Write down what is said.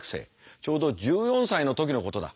ちょうど１４歳の時のことだ。